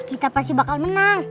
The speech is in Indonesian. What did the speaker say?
kita pasti bakal menang